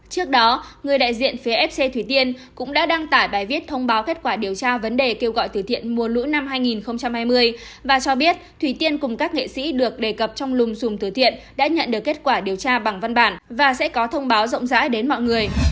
trước đó người đại diện phía fc thủy tiên cũng đã đăng tải bài viết thông báo kết quả điều tra vấn đề kêu gọi từ thiện mùa lũ năm hai nghìn hai mươi và cho biết thủy tiên cùng các nghệ sĩ được đề cập trong lùm xùm từ thiện đã nhận được kết quả điều tra bằng văn bản và sẽ có thông báo rộng rãi đến mọi người